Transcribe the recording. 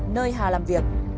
nơi hà làm việc